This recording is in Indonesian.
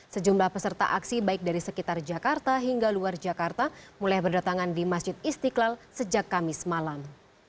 sejumlah peserta aksi baik dari sekitar jakarta hingga luar jakarta mulai berdatangan di masjid istiqlal sejak kamis malam